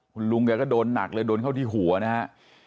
คุณลุงแกก็โดนหนักเลยโดนเข้าที่หัวนะฮะ